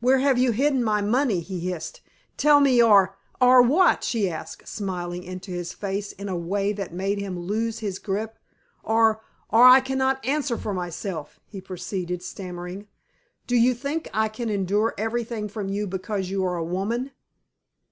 "Where have you hidden my money?" he hissed. "Tell me, or " "Or what?" she asked, smiling into his face in a way that made him lose his grip. "Or or I cannot answer for myself," he proceeded, stammering. "Do you. think I can endure everything from you because you are a woman?